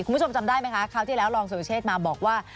คุณผู้ชมจำได้ไหมคะคราวที่แล้วรองสุรเชษมาบอกว่า